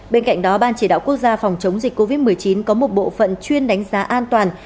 bên cạnh đó ban chỉ đạo quốc gia phòng chống dịch covid một mươi chín có một bộ phận chuyên đánh giá an toàn